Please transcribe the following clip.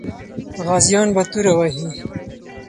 غازیان به توره وهي.